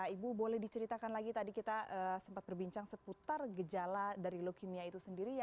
ibu boleh diceritakan lagi tadi kita sempat berbincang seputar gejala dari leukemia itu sendiri